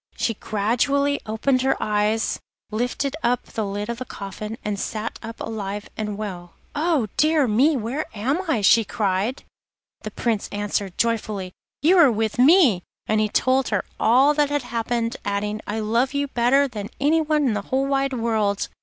She gradually opened her eyes, lifted up the lid of the coffin, and sat up alive and well. 'Oh! dear me, where am I?' she cried. The Prince answered joyfully, 'You are with me,' and he told her all that had happened, adding, 'I love you better than anyone in the whole wide world.